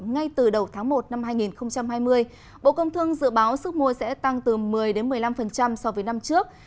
ngay từ đầu tháng một năm hai nghìn hai mươi bộ công thương dự báo sức mua sẽ tăng từ một mươi một mươi năm so với năm trước